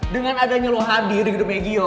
dengan adanya lo hadir di hidup gio